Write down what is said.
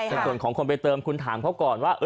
ในส่วนของคนไปเติมคุณถามเขาก่อนว่า